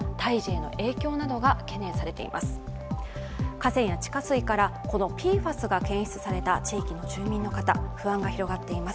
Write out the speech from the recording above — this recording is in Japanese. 河川や地下水からこのＰＦＡＳが検出された付近の住民の方不安が広がっています。